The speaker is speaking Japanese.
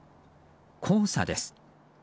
黄砂です。